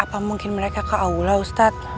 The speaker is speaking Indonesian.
apa mungkin mereka ke aula ustadz